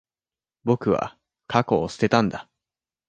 僕は、過去を捨てたんだ。